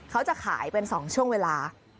เขาจะขายเป็น๒ช่วงเวลา